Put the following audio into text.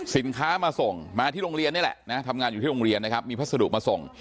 สินค้ามาส่งมาที่โรงเรียนนี่แหละนะทำงานอยู่ที่โรงเรียนนะครับมีพัสดุมาส่ง